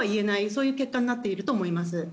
そういう結果になっていると思います。